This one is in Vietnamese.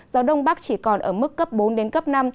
gió đông bắc chỉ còn ở mức cấp bốn đến cấp năm